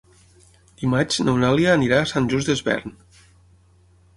Dimarts n'Eulàlia anirà a Sant Just Desvern.